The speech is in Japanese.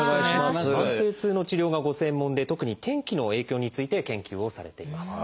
慢性痛の治療がご専門で特に天気の影響について研究をされています。